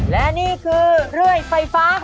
และนี่คือเลื่อยไฟฟ้าครับ